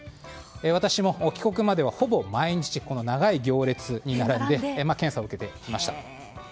私も帰国までは、ほぼ毎日長い行列に並んで検査を受けていました。